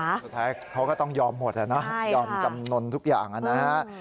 สุดท้ายเขาก็ต้องยอมหมดยอมจำนวนทุกอย่างนะฮะ